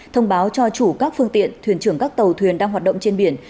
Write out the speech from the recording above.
thông báo cho chủ các phương tiện thuyền trưởng các tàu thuyền đang hoạt động trên biển